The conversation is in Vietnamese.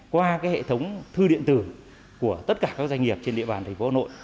qua hệ thống thư điện tử của tất cả các doanh nghiệp trên địa bàn thành phố hà nội